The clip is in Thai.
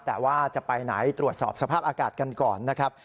แต่ว่าจะไปไหนตรวจสอบสภาพอากาศกันก่อนนะครับ